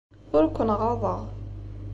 Ur ken-ɣaḍeɣ.